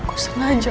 aku dateng ke muzik